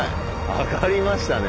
上がりましたね。